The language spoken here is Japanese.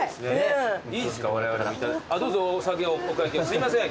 すいません